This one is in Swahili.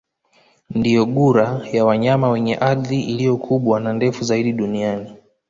Ndiyo gura ya wanyama kwenye ardhi iliyo kubwa na ndefu zaidi duniani